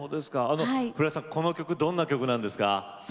フラッシュさんこの曲どんな曲なんですか？